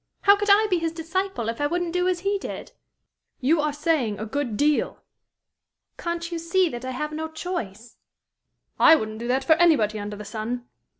How could I be his disciple, if I wouldn't do as he did?" "You are saying a good deal!" "Can't you see that I have no choice?" "I wouldn't do that for anybody under the sun!"